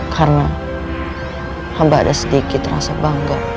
karena hamba ada sedikit rasa bangga